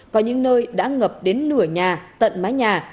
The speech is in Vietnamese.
có những nơi đã ngập đến nửa nhà tận mái nhà